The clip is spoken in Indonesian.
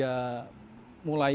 yang dilimit bergerak dan berkarir